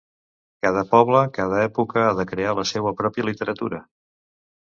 Cada poble, cada època ha de crear la seua pròpia literatura.